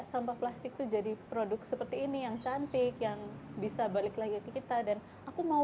sampah plastik itu jadi produk seperti ini yang cantik yang bisa balik lagi ke kita dan aku mau